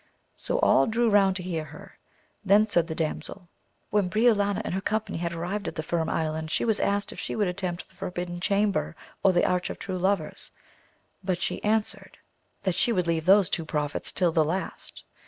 So all drew round to hear her. Then said the damsel, when Briolania and her com pany had arrived at the Firm Island she was asked if she would attempt the Forbidden Chamber or the Arch of True Lovers, but she answered, that she would 120 AMADIS OF GAUL leave those two proofs till the last.